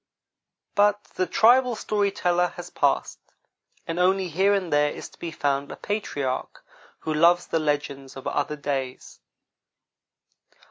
But the tribal story teller has passed, and only here and there is to be found a patriarch who loves the legends of other days.